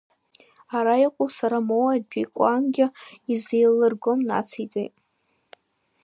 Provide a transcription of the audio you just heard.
Ара иҟоу сара моу адикәангьы изеилыргом, нациҵеит.